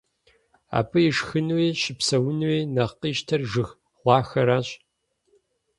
Абы ишхынууи щыпсэунууи нэхъ къищтэр жыг гъуахэращ.